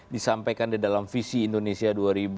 disampaikan di dalam visi indonesia